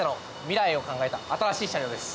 未来を考えた新しい車両です。